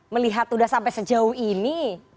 melihat sudah sampai sejauh ini